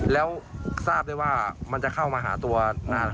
แล้วทราบได้ว่ามันจะเข้ามาหาตัวนาน